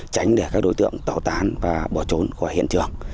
tránh để các đối tượng tẩu tán và bỏ trốn khỏi hiện trường